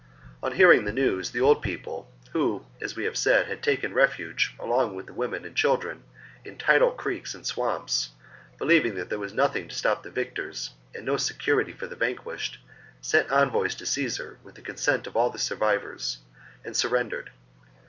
On hearing the news, the old people, who, as we have said, had taken refuge, along with the women and children, in tidal creeks and in swamps, believing that there was nothing to stop the victors and no security for the vanquished, sent envoys to Caesar with II AGAINST THE BELGAE 71 the consent of all the survivors, and surrendered ; 57 b.